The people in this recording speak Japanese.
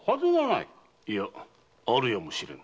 いやあるやもしれぬ。